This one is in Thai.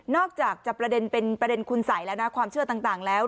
อกจากจะประเด็นเป็นประเด็นคุณสัยแล้วนะความเชื่อต่างแล้ว